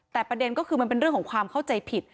แต่ประเด็นก็คือมันเป็นเรื่องของความเข้าใจผิด